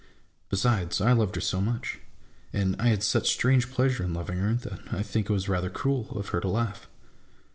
Besides, I loved her so much, and I had such strange pleasure in loving her, that I think it was rather cruel of her to laugh.